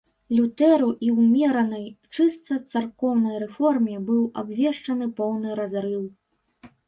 Лютэру і ўмеранай, чыста царкоўнай рэформе быў абвешчаны поўны разрыў.